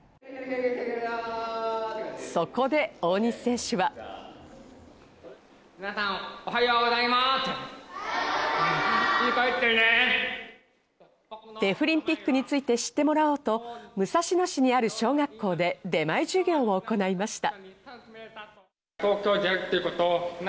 そこで大西選手は。デフリンピックについて知ってもらおうと、武蔵野市にある小学校で出前授業を行いました。